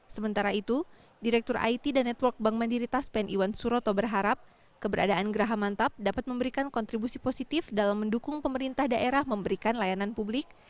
sementara itu direktur it dan network bank mandiri taspen iwan suroto berharap keberadaan geraha mantap dapat memberikan kontribusi positif dalam mendukung pemerintah daerah memberikan layanan publik